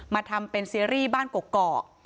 ทำเป็นซีรีส์บ้านกกอก